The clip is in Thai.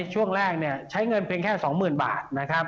ใช้เงินเพียงแค่๒หมื่นบาทนะครับ